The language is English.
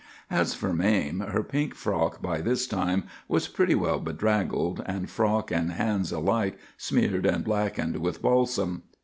"As for Mame, her pink frock by this time was pretty well bedraggled, and frock and hands alike smeared and blackened with balsam.